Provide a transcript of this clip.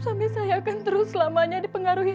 sambil saya akan terus selamanya dipengaruhi